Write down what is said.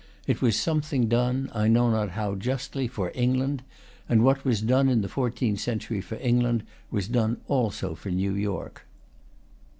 It was something done, I know not how justly, for Eng land; and what was done in the fourteenth century for England was done also for New York.